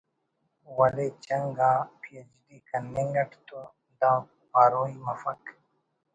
ولے چنگ آ P H D کننگ اٹ تو دا پاروئی مفک